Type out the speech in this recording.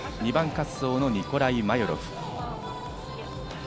２番滑走のニコライ・マヨロフ。